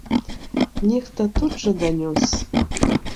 Нехта тут жа данёс.